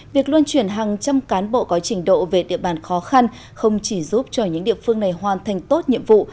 việc luân chuyển hàng trăm cán bộ có trình độ về địa bàn khó khăn không chỉ giúp cho những địa phương này hoàn thành tốt nhiệm vụ